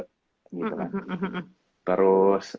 gitu kan terus